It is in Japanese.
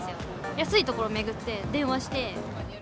安い所を巡って、電話して。